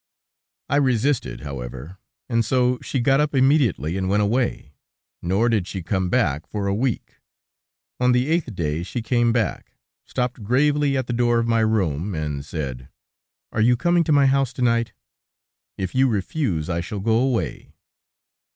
I resisted, however, and so she got up immediately, and went away; nor did she come back for a week. On the eighth day she came back, stopped gravely at the door of my room, and said: "Are you coming to my house to night? ... If you refuse, I shall go away."